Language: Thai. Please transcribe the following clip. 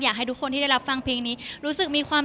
อยากให้ทุกคนที่ได้รับฟังเพลงนี้